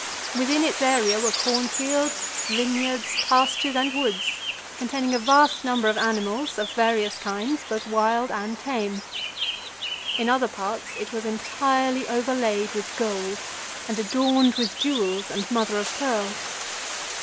Within its area were corn fields, vineyards, pastures, and woods, containing a vast number of animals of various kinds, both wild and tame. In other parts it was entirely over laid with gold, and adorned with jewels and mother of pearl.